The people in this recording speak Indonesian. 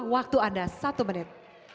waktu anda satu menit